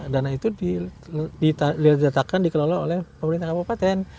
dana itu ditetapkan dikelola oleh pemerintah kabupaten